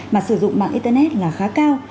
mà sử dụng mạng internet là khá cao